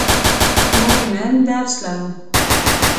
موږ نن درس لرو.